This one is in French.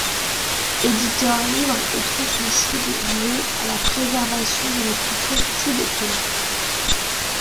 Éditeur libre et transmissible voué à la préservation de la culture tibétaine.